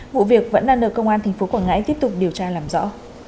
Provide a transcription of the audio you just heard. vụ việc vẫn đang được công an tp quảng ngãi tiếp tục điều tra làm rõ